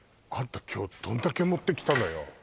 あんた今日どんだけ持ってきたのよ